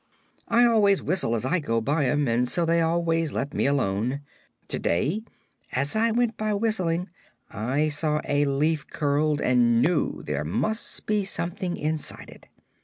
I always whistle as I go by 'em and so they always let me alone. To day as I went by, whistling, I saw a leaf curled and knew there must be something inside it.